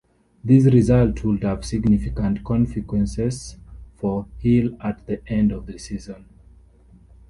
This result would have significant consequences for Hill at the end of the season.